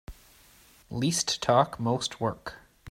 Least talk most work.